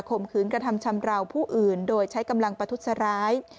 มขืนกระทำชำราวผู้อื่นโดยใช้กำลังประทุษร้าย